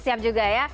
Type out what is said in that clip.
siap juga ya